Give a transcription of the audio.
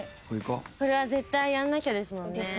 これは絶対やんなきゃですもんね。